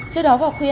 trước đó vào khuya